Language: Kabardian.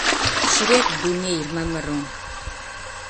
Щрет дунейр мамыру!